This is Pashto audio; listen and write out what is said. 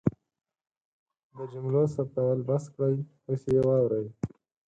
د جملو ثبتول بس کړئ اوس یې واورئ